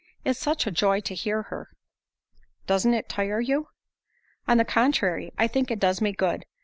It's such a joy to hear her." "Doesn't it tire you?" "On the contrary, I think it does me good."